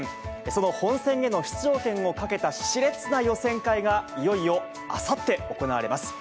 その本戦への出場権をかけたしれつな予選会が、いよいよあさって行われます。